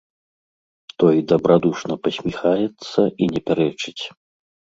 Той дабрадушна пасміхаецца і не пярэчыць.